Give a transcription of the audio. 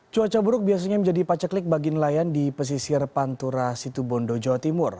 cuaca buruk biasanya menjadi paceklik bagi nelayan di pesisir pantura situbondo jawa timur